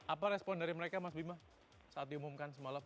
apa respon dari mereka mas bima saat diumumkan semalam